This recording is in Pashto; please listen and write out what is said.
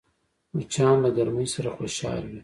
مچان له ګرمۍ سره خوشحال وي